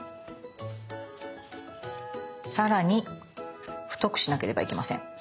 さらに太くしなければいけません。